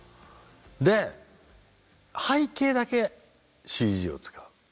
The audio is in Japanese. で背景だけＣＧを使う。